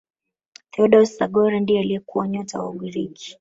theodoros zagora ndiye aliyekuwa nyota wa ugiriki